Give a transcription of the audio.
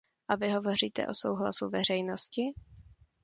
A vy hovoříte o souhlasu veřejnosti?